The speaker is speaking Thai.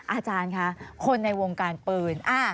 อาจารย์คะคนในวงการปืน